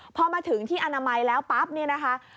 พอมาถึงที่อนามัยแล้วปั๊บเนี่ยนะคะ